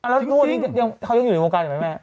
แล้วทุกวันนี้เขายังอยู่ในวงการอยู่ไหมแม่